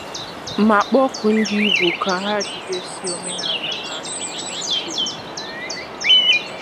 ma kpọkuo ndị Igbo ka ha jigidesie omenala ha ike